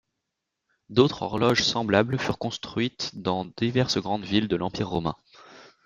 D'autres horloges semblables furent construites dans diverses grandes villes de l'Empire Romain.